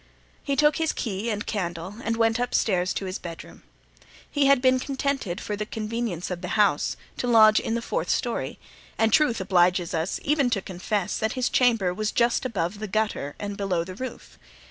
He took his key and candle and went upstairs to his bedroom. He had been contented, for the convenience of the house, to lodge in the fourth story; and truth obliges us even to confess that his chamber was just above the gutter and below the roof.